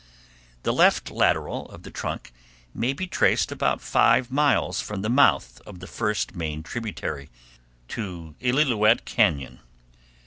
The left lateral of the trunk may be traced about five miles from the mouth of the first main tributary to the Illilouette Cañon.